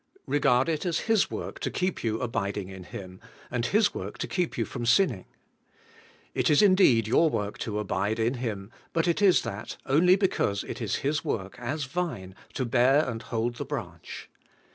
Eegard it as His work to keep you abiding in Him, and His work to keep you from sinning. It is indeed your work to abide in Him; but it is that, only because it is His work as Vine to bear and hold the branch.